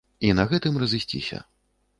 І на гэтым разысціся.